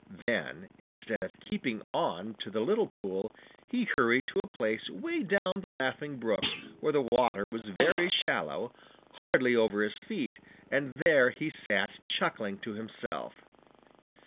Then, instead of keeping on to the little pool, he hurried to a place way down the Laughing Brook, where the water was very shallow, hardly over his feet, and there he sat chuckling to himself.